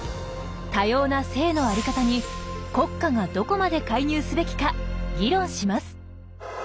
多様な性の在り方に国家がどこまで介入すべきか議論します。